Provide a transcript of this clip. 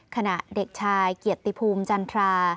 ขณะเด็กชายเกียรติภูมิจันทรา